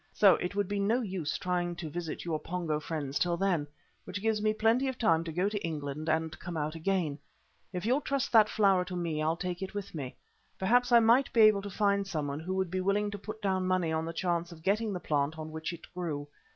So it would be no use trying to visit your Pongo friends till then, which gives me plenty of time to go to England and come out again. If you'll trust that flower to me I'll take it with me. Perhaps I might be able to find someone who would be willing to put down money on the chance of getting the plant on which it grew.